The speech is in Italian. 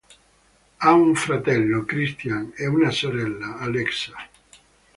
Ha un fratello, Christian e una sorella, Alexa.